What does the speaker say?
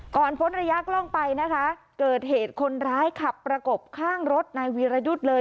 พ้นระยะกล้องไปนะคะเกิดเหตุคนร้ายขับประกบข้างรถนายวีรยุทธ์เลย